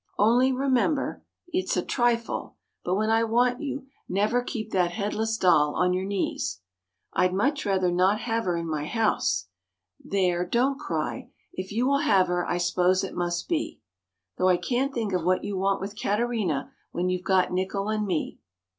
Only remember it's a trifle but when I want you, never keep that headless doll on your knees. I'd much rather not have her in my house there, don't cry! if you will have her, I suppose it must be; Though I can't think what you want with Katerina when you've got Nickel and me."